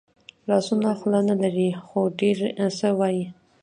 لاسونه خوله نه لري خو ډېر څه وايي